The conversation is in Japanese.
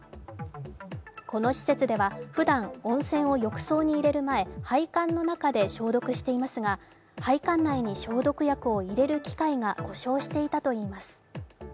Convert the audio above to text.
この施設ではふだん、温泉を浴槽に入れる前、配管の中で消毒していますが配管内に消毒薬を入れる機械が故障していたといいます。